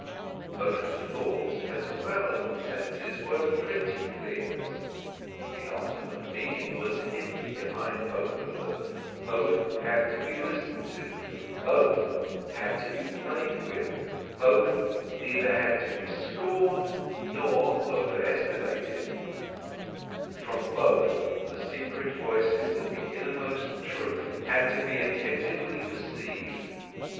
Both, the thoughts as well as the senses, were pretty things, the ultimate meaning was hidden behind both of them, both had to be listened to, both had to be played with, both neither had to be scorned nor overestimated, from both the secret voices of the innermost truth had to be attentively perceived.